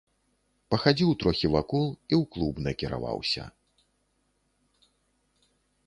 Пахадзіў трохі вакол і ў клуб накіраваўся.